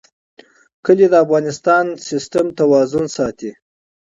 کلي د افغانستان د طبعي سیسټم توازن ساتي.